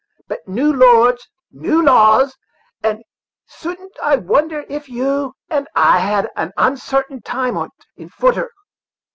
But new lords, new laws; and I shouldn't wonder if you and I had an unsartain time on't in footer."